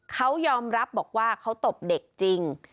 เขายอมรับบอกว่าเขาตบเด็กจริง